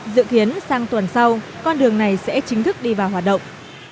dự kiến sang tuần sau con đường này sẽ chính thức đi vào hoạt động